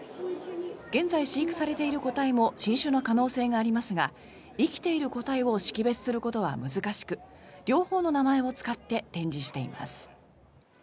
現在、飼育されている個体も新種の可能性がありますが生きている個体を識別することは難しく両方の名前を使って展示しています。